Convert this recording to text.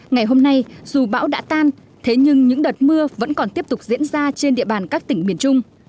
ngày hôm nay dù bão đã tan thế nhưng những đợt mưa vẫn còn tiếp tục diễn ra trên địa bàn các tỉnh miền trung